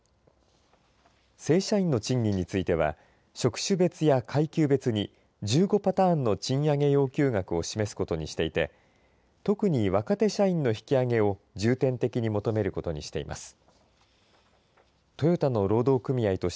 正社員の賃金については職種別や階級別に１５パターンの賃上げ要求額を示すことにしていて特に若手社員の引き上げを重点的に求めることにしています。